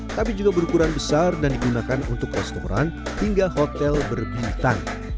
tapi juga berukuran besar dan digunakan untuk restoran hingga hotel berbintang